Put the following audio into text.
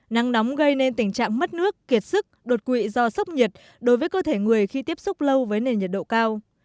nắng nóng gây nên tình trạng mất nước kiệt sức đột quỵ do sốc nhiệt đối với cơ thể người khi tiếp xúc lâu với nền nhiệt độ cao